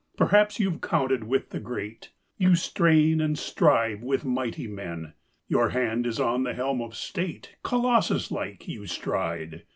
Perhaps you're counted with the Great; You strain and strive with mighty men; Your hand is on the helm of State; Colossus like you stride